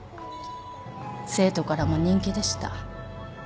生徒からも人気でした。